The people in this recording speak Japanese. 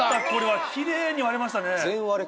これは奇麗に割れましたね。